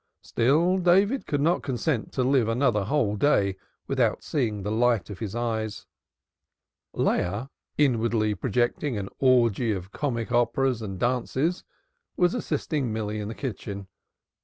Still David could not consent to live another whole day without seeing the light of his eyes. Leah, inwardly projecting an orgie of comic operas and dances, was assisting Milly in the kitchen.